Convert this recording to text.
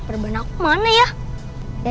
ya perban aku mana ya